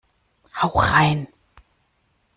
Hau rein!